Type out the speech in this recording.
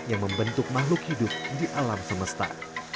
yang membentuk makhluk hidup di alam semesta